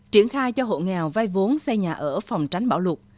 triển khai cho hộ nghèo vai vốn xây nhà ở phòng tránh bão lụt